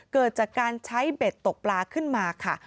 เกิดจากการใช้เบ็ดตกปลาขึ้นมาค่ะ